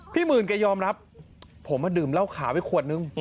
พี่หมื่นก็ยอมรับผมมาดื่มเล่าขาไว้ขวดนึง